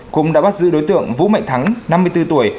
cũng đã bắt giữ đối tượng vũ mạnh thắng năm mươi bốn tuổi